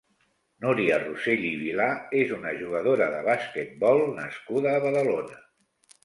Núria Rossell i Vilar és una jugadora de basquetbol nascuda a Badalona.